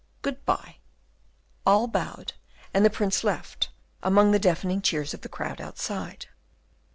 Good bye." All bowed, and the Prince left, among the deafening cheers of the crowd outside.